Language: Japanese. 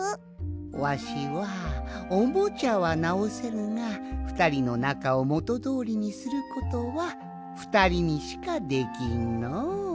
わしはおもちゃはなおせるがふたりのなかをもとどおりにすることはふたりにしかできんのう。